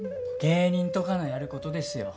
芸人とかのやることですよ。